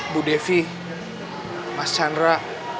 bu devi mas chandra